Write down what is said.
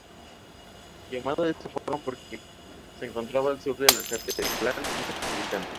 Llamado de esa forma porque se encontraba al sur de la Catedral Metropolitana.